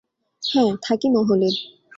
হ্যাঁ, থাকি মহলে!